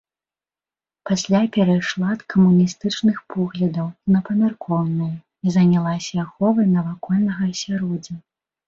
Пасля перайшла ад камуністычных поглядаў на памяркоўныя і занялася аховай навакольнага асяроддзя.